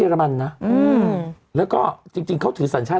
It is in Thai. ตอนต่อไป